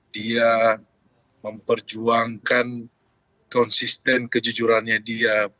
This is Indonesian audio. dia memperjuangkan konsisten kejujurannya dia